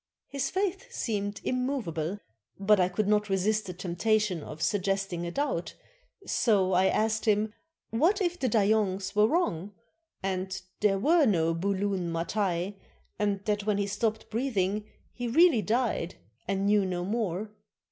His faith seemed immov able, but I could not resist the temptation of suggesting a doubt, so I asked him what if the Dayongs were wrong, and there were no Bulun Matai, and that when he stopped breathing he really died and knew no more.